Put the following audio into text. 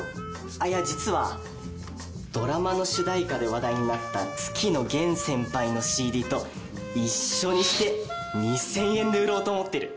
いや実はドラマの主題歌で話題になった月野源先輩のＣＤと一緒にして２０００円で売ろうと思ってる。